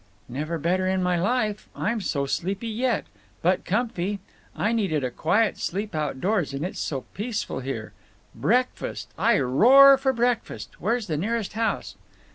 "Never better in my life. I'm so sleepy yet. But comfy. I needed a quiet sleep outdoors, and it's so peaceful here. Breakfast! I roar for breakfast! Where's the nearest house?"